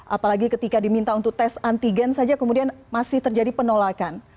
apalagi ketika diminta untuk tes antigen saja kemudian masih terjadi penolakan